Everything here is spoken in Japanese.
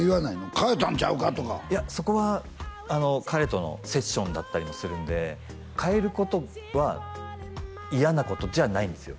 変えたんちゃうかとかいやそこはあの彼とのセッションだったりもするんで変えることは嫌なことじゃないんですよ